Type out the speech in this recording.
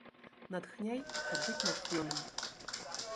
Натхняй, каб быць натхнёным!